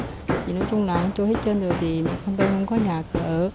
thì nói chung là trôi hết chân rồi thì mẹ con tôi không có nhà cửa ở